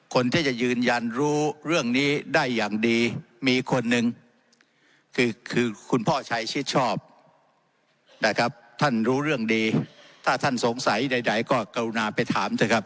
คนที่จะยืนยันรู้เรื่องนี้ได้อย่างดีมีคนหนึ่งคือคือคุณพ่อชัยชิดชอบนะครับท่านรู้เรื่องดีถ้าท่านสงสัยใดก็กรุณาไปถามเถอะครับ